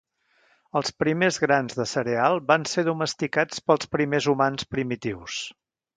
Els primers grans de cereal van ser domesticats pels primers humans primitius.